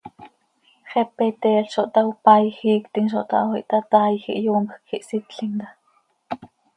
Xepe iteel zo htaao, paaij iictim zo htaho, ihtataaij, ihyoomjc, ihsitlim taa.